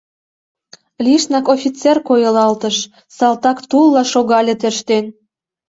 Лишнак офицер койылалтыш — салтак тулла шогале тӧрштен!